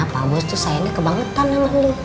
pak bos tuh sayangnya kebangetan sama li